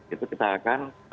itu kita akan